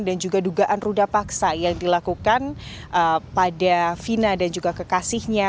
dan juga dugaan ruda paksa yang dilakukan pada vina dan juga kekasihnya